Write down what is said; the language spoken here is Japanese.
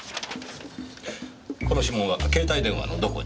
この指紋は携帯電話のどこに？